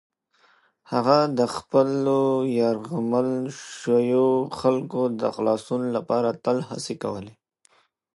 هغه د خپلو یرغمل شویو خلکو د خلاصون لپاره تل هڅې کولې.